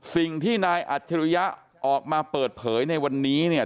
สิ่งที่นายอัจฉริยะออกมาเปิดเผยในวันนี้เนี่ย